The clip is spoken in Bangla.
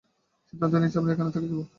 সিদ্ধান্ত নিয়েছি, আমরা এখানেই থেকে যাবো।